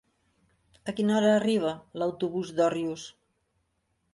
A quina hora arriba l'autobús de Òrrius?